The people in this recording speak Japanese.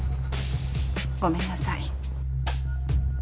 ごめんなさい。